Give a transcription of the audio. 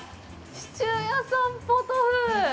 シチュー屋さんポトフ！